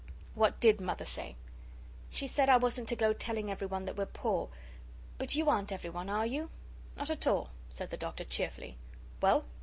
"What DID Mother say?" "She said I wasn't to go telling everyone that we're poor. But you aren't everyone, are you?" "Not at all," said the Doctor, cheerfully. "Well?"